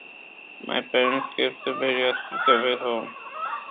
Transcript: My parents kept a very hospitable home.